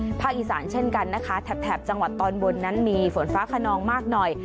ภาคอีสานเช่นกันนะคะแถบจังหวัดตอนบนนั้นมีฝนฟ้าขนองมากหน่อย